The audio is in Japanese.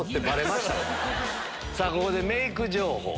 ここでメイク情報。